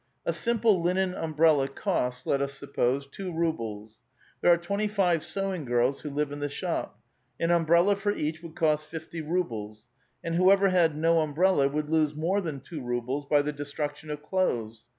A simple linen umbrella costs, let us suppose, two rubles. There arc twenty five sewing girls who live in the shop. An umbrella for each would cost fiftv rubles ; and whoever had no umbrella would lose more than two rubles by the destruc tion of clothes.